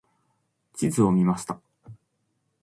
地図を見ました。